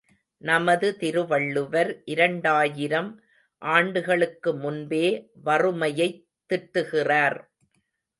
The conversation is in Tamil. நமது திருவள்ளுவர் இரண்டாயிரம் ஆண்டுகளுக்கு முன்பே வறுமையைத் திட்டுகிறார்.